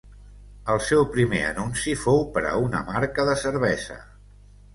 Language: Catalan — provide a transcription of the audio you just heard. El seu primer anunci fou per a una marca de cervesa.